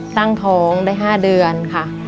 ตั้งท้องได้๕เดือนค่ะ